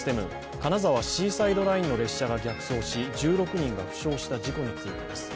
金沢シーサイドラインの列車が逆走し１６人が負傷した事故についてです。